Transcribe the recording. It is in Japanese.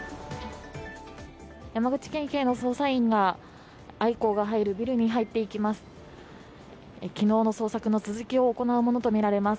山口県警の捜査員がアイコーが入るビルに入っていきます。